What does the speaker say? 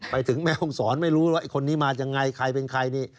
ไปถึงแม่ห้องศรไม่รู้ว่าไอ้คนนี้มายังไงใครเป็นใครนี่